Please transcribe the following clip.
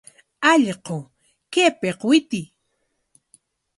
¡Allqu, kaypik witiy!